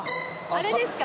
あれですか？